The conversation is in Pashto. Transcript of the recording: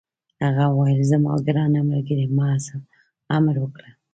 هغه وویل: زما ګرانه ملګرې، محض امر وکړه.